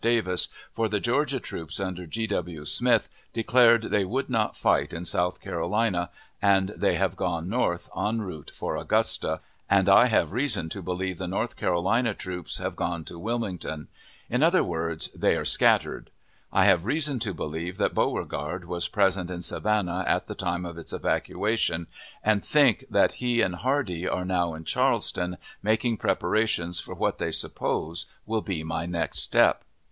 Davis, for the Georgia troops, under G. W. Smith, declared they would not fight in South Carolina, and they have gone north, en route for Augusta, and I have reason to believe the North Carolina troops have gone to Wilmington; in other words, they are scattered. I have reason to believe that Beauregard was present in Savannah at the time of its evacuation, and think that he and Hardee are now in Charleston, making preparations for what they suppose will be my next step.